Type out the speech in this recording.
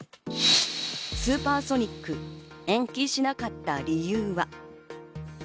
スーパーソニック、延期しなかった理由は？